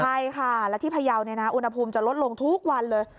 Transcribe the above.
ใช่ค่ะและที่พยาวเนี่ยนะอุณหภูมิจะลดลงทุกวันเลย